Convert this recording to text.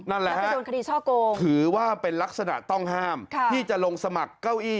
นั่นแหละฮะถือว่าเป็นลักษณะต้องห้ามที่จะลงสมัครเก้าอี้